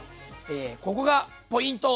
ここがポイント！